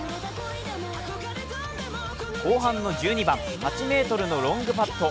後半の１２番、８ｍのロングパット。